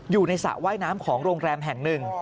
สระว่ายน้ำของโรงแรมแห่งหนึ่ง